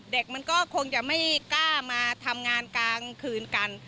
เด็กมันก็คงจะไม่กล้ามาทำงานกลางคืนกัน